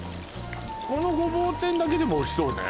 このごぼう天だけでもおいしそうね